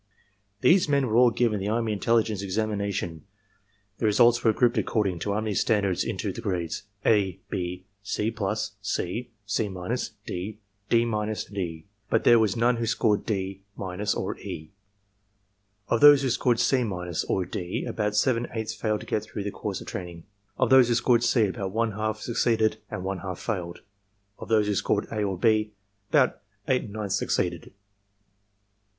"These men were all given the army intelligence examination. The results were grouped according to army standards into the grades A, B, C plus, C, C minus, D, D minus and E. But TESTS IN STUDENT'S ARMY TRAINING CORPS 173 there was none who scored D minus or E. Of those who scored C minus, or D, about seven eighths failed to get through the course of training. Of those who scored C, about one half suc ceeded and one half failed. Of those who scored A or B, about eight ninths succeeded.